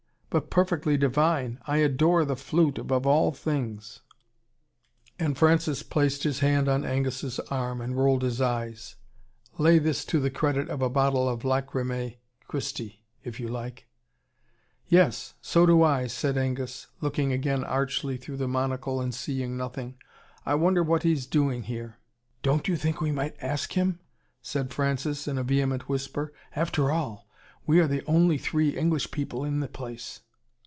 But PERFECTLY DIVINE!!! I adore the flute above all things " And Francis placed his hand on Angus' arm, and rolled his eyes Lay this to the credit of a bottle of Lacrimae Cristi, if you like. "Yes. So do I," said Angus, again looking archly through the monocle, and seeing nothing. "I wonder what he's doing here." "Don't you think we might ASK him?" said Francis, in a vehement whisper. "After all, we are the only three English people in the place."